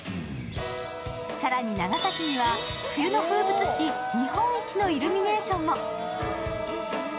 更に長崎には冬の風物詩、日本一のイルミネーションも。